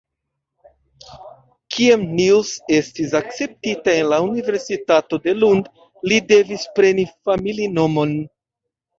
Kiam Nils estis akceptita en la Universitato de Lund, li devis preni familinomon.